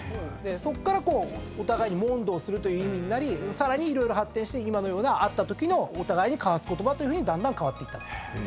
そこから問答する意味になりさらに色々発展して今のような会ったときのお互いに交わす言葉というふうにだんだん変わっていったと。